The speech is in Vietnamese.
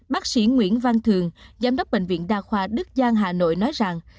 bác sĩ nguyễn văn thường giám đốc bệnh viện đa khoa đức giang hà nội nói rằng